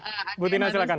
oh ya silahkan